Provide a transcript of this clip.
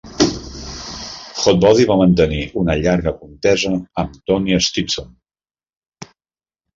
Hotbody va mantenir una llarga contesa amb Tony Stetson.